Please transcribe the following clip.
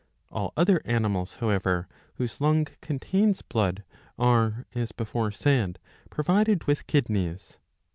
All other animals, however, whose lung contains blood are, as before said, provided with kidneys.